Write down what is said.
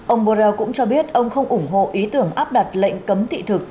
ông borrell cũng cho biết ông không ủng hộ ý tưởng áp đặt lệnh cấm thị thực